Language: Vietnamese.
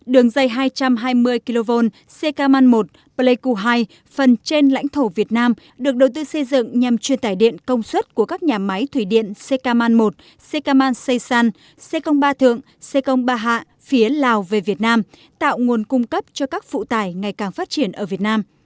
đường dây hai trăm hai mươi kv ckman một pleiku hai phần trên lãnh thổ việt nam được đầu tư xây dựng nhằm truyền tải điện công suất của các nhà máy thủy điện sekaman một sekaman seysan c ba thượng sê công ba hạ phía lào về việt nam tạo nguồn cung cấp cho các phụ tải ngày càng phát triển ở việt nam